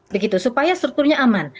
begitu supaya strukturnya aman